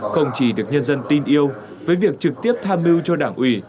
không chỉ được nhân dân tin yêu với việc trực tiếp tham mưu cho đảng ủy